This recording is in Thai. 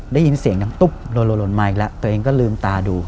ได้ยินเสียงดังตุ๊บโลหล่นมาอีกแล้วตัวเองก็ลืมตาดู